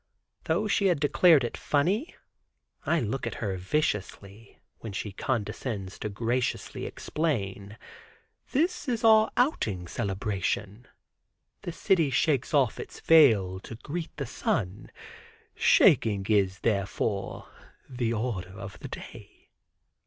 Though she had declared it funny, I look at her viciously, when she condescends to graciously explain: "This is our outing celebration; the city shakes off its veil to greet the sun; shaking is, therefore, the order of the day."